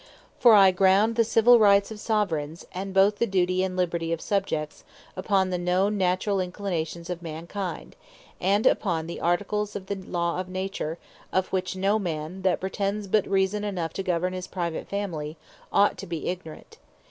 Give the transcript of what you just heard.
For I ground the Civill Right of Soveraigns, and both the Duty and Liberty of Subjects, upon the known naturall Inclinations of Mankind, and upon the Articles of the Law of Nature; of which no man, that pretends but reason enough to govern his private family, ought to be ignorant.